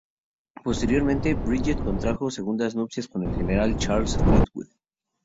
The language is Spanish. Posteriormente, Bridget contrajo segundas nupcias con el general Charles Fleetwood.